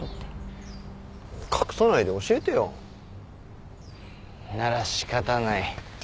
隠さないで教えてよ。なら仕方ない。